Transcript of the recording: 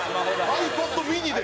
ｉＰａｄｍｉｎｉで。